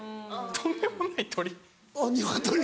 とんでもないトリ。